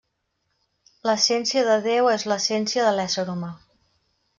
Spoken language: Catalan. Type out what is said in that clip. L'essència de Déu és l'essència de l'ésser humà.